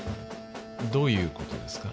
どういうことですか？